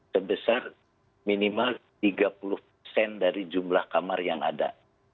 sebesar minimal tiga puluh persen dari jumlah kamar yang ada